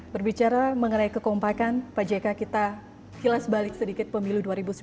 berbicara mengenai kekompakan pak jk kita kilas balik sedikit pemilu dua ribu sembilan belas